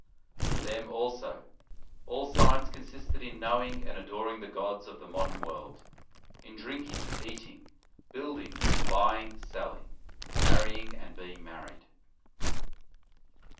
For them, also, all science consisted in knowing and adoring the gods of the modern world; in drinking, eating, building, buying, selling, marrying, and being married.